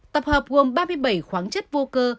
tập hợp gồm ba mươi bảy khoáng chất vô cơ